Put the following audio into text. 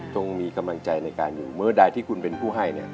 งมีกำลังใจในการอยู่เมื่อใดที่คุณเป็นผู้ให้